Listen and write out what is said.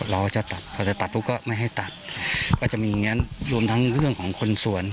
เราจะตัดพอจะตัดปุ๊บก็ไม่ให้ตัดก็จะมีอย่างงั้นรวมทั้งเรื่องของคนสวน